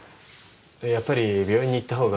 やっぱり病院に行った方が。